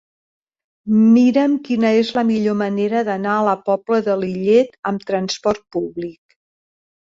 Mira'm quina és la millor manera d'anar a la Pobla de Lillet amb trasport públic.